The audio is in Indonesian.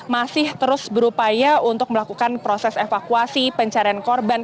masih terus berupaya untuk melakukan proses evakuasi pencarian korban